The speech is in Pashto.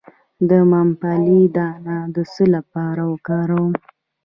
د ممپلی دانه د څه لپاره وکاروم؟